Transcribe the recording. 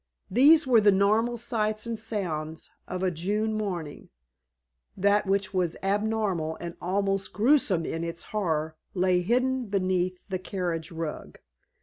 These were the normal sights and sounds of a June morning—that which was abnormal and almost grotesque in its horror lay hidden beneath the carriage rug.